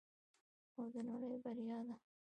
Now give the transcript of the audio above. او د نړۍ بریا ده.